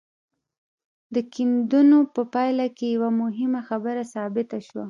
د کيندنو په پايله کې يوه مهمه خبره ثابته شوه.